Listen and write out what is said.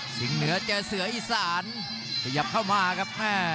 เหนือเจอเสืออีสานขยับเข้ามาครับ